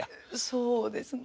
そうですね。